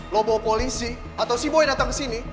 lo bawa polisi atau si boy dateng kesini